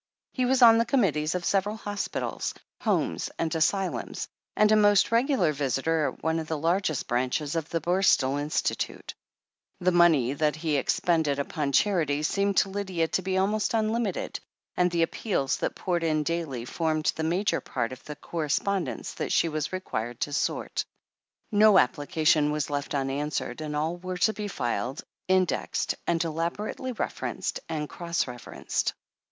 He was on the committees of several hospitals, homes, and asylums, and a most regu lar visitor at one of the largest branches of the Borstal Institute, 256 THE HEEL OF ACHILLES 257 The money that he expended upon charity seemed to Lydia to be aknost unlimited, and the appeals that poured in daily formed the major part of the corre spondence that she was required to sort. No applica tion was to be left unanswered, and all were to be filed, indexed, and elaborately referenced and cross refer enced.